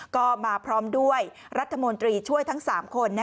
ก็มาพร้อมด้วยรัฐมนตรีช่วยทั้ง๓คน